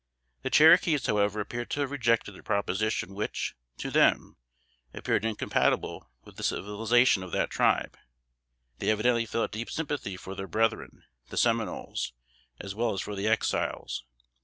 The Cherokees however appear to have rejected a proposition which, to them, appeared incompatible with the civilization of that tribe; they evidently felt deep sympathy for their brethren, the Seminoles, as well as for the Exiles.